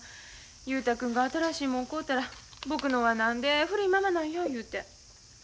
雄太君が新しいもん買うたら「僕のは何で古いままなんや」いうて。